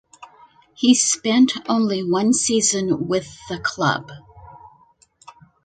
He spent only one season with the club.